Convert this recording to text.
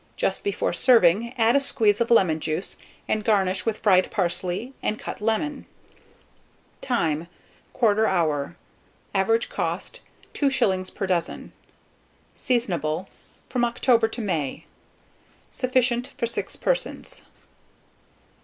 Just before serving, add a squeeze of lemon juice, and garnish with fried parsley and cut lemon. Time. 1/4 hour. Average cost, 2s. per dozen. Seasonable from October to May. Sufficient for 6 persons.